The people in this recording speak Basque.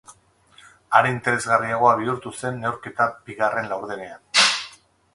Are interesgarriagoa bihurtu zen neurketa bigarren laurdenean.